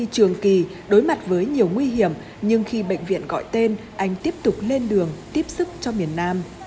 trường kỳ đối mặt với nhiều nguy hiểm nhưng khi bệnh viện gọi tên anh tiếp tục lên đường tiếp sức cho miền nam